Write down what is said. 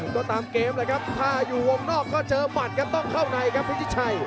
ตัวตามเกมเลยครับถ้าอยู่วงนอกก็เจอมันก็ต้องเข้าในครับพิชิชัย